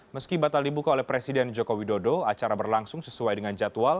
meski batal dibuka oleh presiden joko widodo acara berlangsung sesuai dengan jadwal